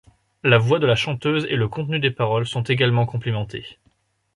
La voix de la chanteuse et le contenu des paroles sont également complimentés.